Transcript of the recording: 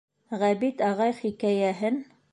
Ғәбит ағай хикәйәһен: